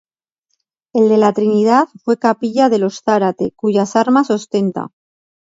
El de la Trinidad fue capilla de los Zárate, cuyas armas ostenta.